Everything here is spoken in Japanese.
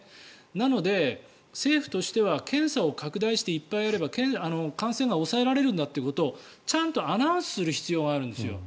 なので、政府としては検査を拡大していっぱいやれば感染が抑えられるんだということをちゃんとアナウンスする必要があるんです。